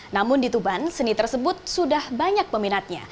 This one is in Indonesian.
namun di tuban seni tersebut sudah banyak peminatnya